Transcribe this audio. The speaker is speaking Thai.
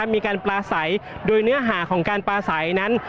มีการปลาใสโดยเนื้อหาของการปลาใสนั้น